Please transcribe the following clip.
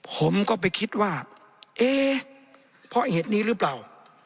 ผมก็ไปคิดว่าเอ๊ะเพราะเหตุนี้หรือเปล่า